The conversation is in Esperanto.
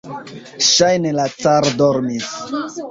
Ŝajne la caro dormis.